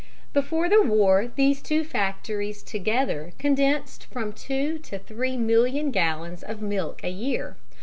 Before the war these two factories together condensed from two to three million gallons of milk a year.